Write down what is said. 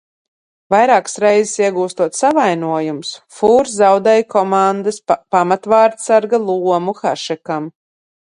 Vairākas reizes iegūstot savainojumus, Fūrs zaudēja komandas pamatvārtsarga lomu Hašekam.